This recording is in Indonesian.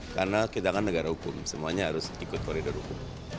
karena kita kan negara hukum semuanya harus ikut koridor hukum